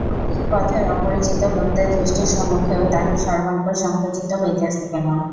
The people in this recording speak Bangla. পথের অপরিচিত লোকদের দৃষ্টির সম্মুখেও তাহার সর্বাঙ্গ সংকুচিত হইতেছে কেন।